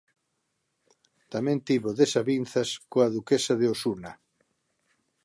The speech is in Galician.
Tamén tivo desavinzas coa duquesa de Osuna.